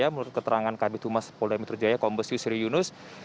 menurut keterangan kabinet humas polda metro jaya kombes yusri yunus